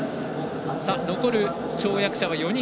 残る跳躍者は４人。